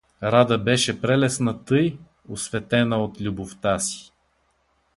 Рада беше прелестна тъй, осветена от любовта си.